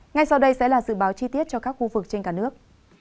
ngay sau đây sẽ là dự báo chi tiết cho các khu vực trên cả nước